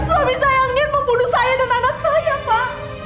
suami saya yakin membunuh saya dan anak saya pak